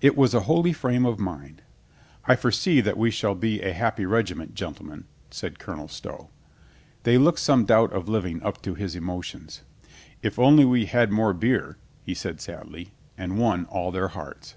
It was a holy frame of mind. "I foresee that we shall be a happy regiment, gentlemen," said Colonel Stow. They looked some doubt of living up to his emotions. "If only we had more beer," said he sadly, and won all their hearts.